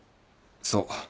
そう。